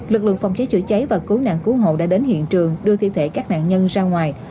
lực lượng phòng cháy chữa cháy và cứu nạn cứu hộ đã đến hiện trường đưa thi thể các nạn nhân ra ngoài